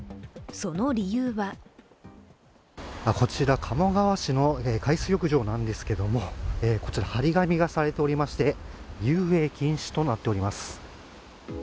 その理由はこちら鴨川市の海水浴場なんですけれども、こちら、張り紙がされておりまして遊泳禁止となっております。